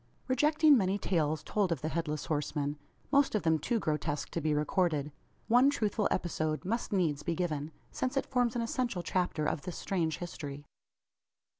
Rejecting many tales told of the Headless Horseman most of them too grotesque to be recorded one truthful episode must needs be given since it forms an essential chapter of this strange history.